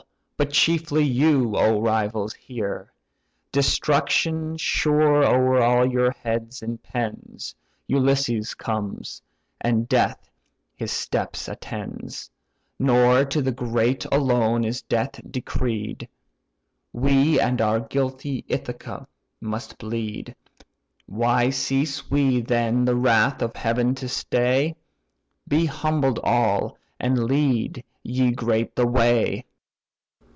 but chiefly you, O rivals! hear. Destruction sure o'er all your heads impends Ulysses comes, and death his steps attends. Nor to the great alone is death decreed; We and our guilty Ithaca must bleed. Why cease we then the wrath of heaven to stay? Be humbled all, and lead, ye great! the way.